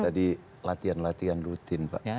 tadi latihan latihan rutin pak